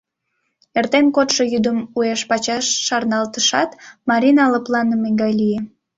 Эртен кодшо йӱдым уэш-пачаш шарналтышат, Марина лыпланыме гай лие.